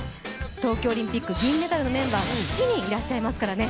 東京オリンピック銀メダルのメンバーが７人いらっしゃいますからね。